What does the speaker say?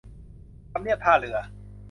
ทำเนียบท่าเรือ